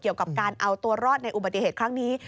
เกี่ยวกับการเอาตัวรอดในอุบัติเหตุครั้งนี้